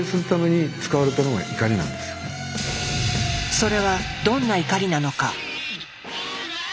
それはどんな怒りなのか？